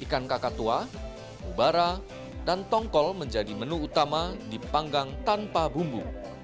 ikan kakak tua ubara dan tongkol menjadi menu utama dipanggang tanpa bumbu